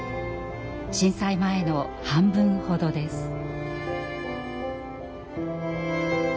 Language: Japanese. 震災前の半分ほどです。